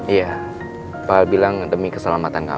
iya pak al bilang demi keselamatan kamu